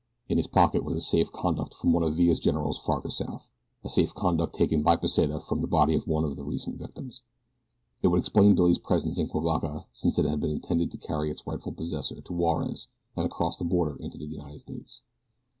In his pocket was a safe conduct from one of Villa's generals farther south a safe conduct taken by Pesita from the body of one of his recent victims. It would explain Billy's presence in Cuivaca since it had been intended to carry its rightful possessor to Juarez and across the border into the United States.